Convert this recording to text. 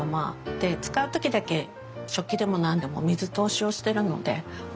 で使う時だけ食器でも何でも水通しをしてるのでほこりも。